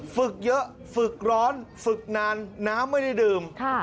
ฝึกเยอะฝึกร้อนฝึกนานน้ำไม่ได้ดื่ม